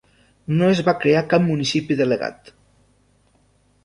No es va crear cap municipi delegat.